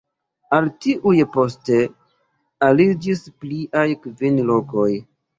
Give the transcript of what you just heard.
Al tiuj poste aliĝis pliaj kvin lokoj.